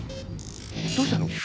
どうしたの？